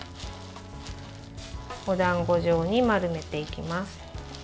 おだんご状に丸めていきます。